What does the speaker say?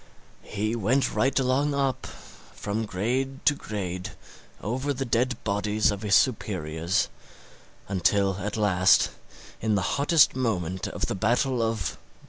He went right along up, from grade to grade, over the dead bodies of his superiors, until at last, in the hottest moment of the battle of...